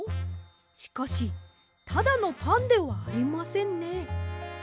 しかしただのパンではありませんね。